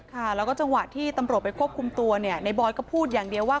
ค่ะแล้วก็จังหวะที่ตำรวจไปควบคุมตัวเนี่ยในบอยก็พูดอย่างเดียวว่า